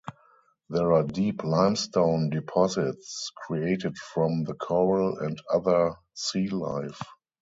There are deep limestone deposits created from the coral and other sealife.